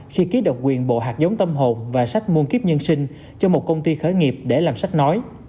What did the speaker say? khi ký độc quyền bộ hạt giống tâm hồn và sách môn kiếp nhân sinh cho một công ty khởi nghiệp để làm sách nói